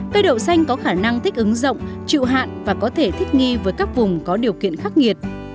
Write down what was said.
cây đậu xanh có khả năng thích ứng rộng chịu hạn và có thể thích nghi với các vùng có điều kiện khắc nghiệt